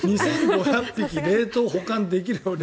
２５００匹冷凍保管できるような。